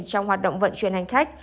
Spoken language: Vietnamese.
trong hoạt động vận chuyển hành khách